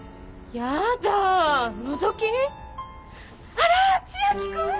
あら千秋君！？